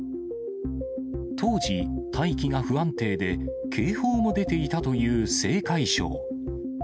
当時、大気が不安定で、警報も出ていたという青海省。